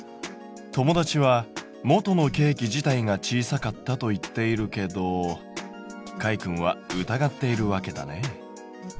友達は「元のケーキ自体が小さかった」と言っているけどかいくんは疑っているわけだね。